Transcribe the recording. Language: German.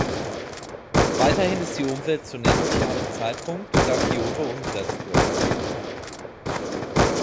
Weiterhin ist die Umwelt zu nennen zu einem Zeitpunkt, da Kyoto umgesetzt wird.